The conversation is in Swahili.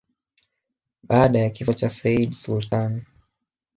Baada ya kifo cha Sayyid Sultan